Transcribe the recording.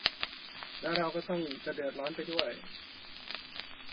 และเราก็จะเดือดร้อนไปด้วย